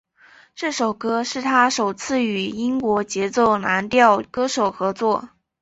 这首歌曲是他首次与英国节奏蓝调歌手合作。